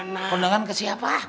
hah kondangan ke siapa